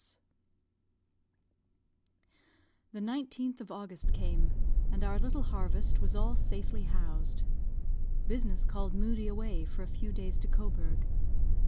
S.S. The 19th of August came, and our little harvest was all safely housed. Business called Moodie away for a few days to Cobourg.